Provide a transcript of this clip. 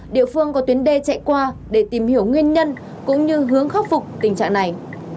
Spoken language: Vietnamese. địa phương có tuyến đê chạy qua để tìm hiểu nguyên nhân cũng như hướng khắc phục tình trạng này